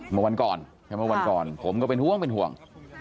เมื่อวันก่อนผมก็เป็นห่วง